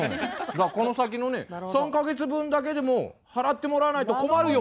この先のね３か月分だけでも払ってもらわないと困るよ。